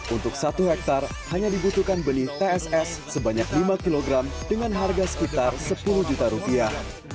untuk satu hektare hanya dibutuhkan beli tss sebanyak lima kg dengan harga sekitar sepuluh juta rupiah